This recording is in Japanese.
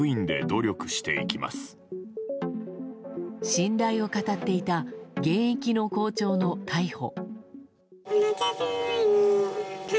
信頼を語っていた現役の校長の逮捕。